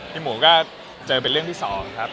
หมูก็เจอเป็นเรื่องที่๒ครับ